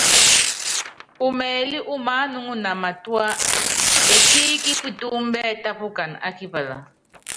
Umɛlí umaánuŋuna matúá, ekííkí pitúúmbɛ tápukana á kipala.